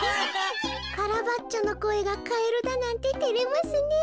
カラバッチョのこえがカエルだなんててれますねえ。